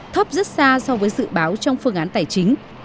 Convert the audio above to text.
thấp rất xa so với dự báo trong phương án tài chính